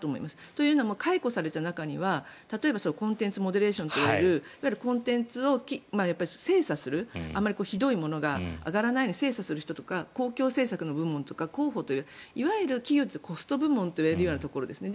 というのも解雇された中には例えばコンテンツモデレーションといわれる要するにコンテンツを精査するあまりひどいものが上がらないように精査する人とか公共政策の部門とか広報企業でコスト部門といわれるところですね。